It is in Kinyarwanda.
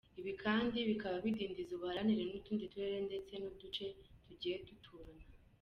Ibi kandi bikaba bidindiza ubuhahirane n’utundi turere ndetse n’uduce tugiye duturana.